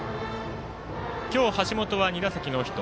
今日、橋本は２打席ノーヒット。